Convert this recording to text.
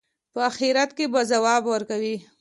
په آخرت کې به ځواب ورکوي.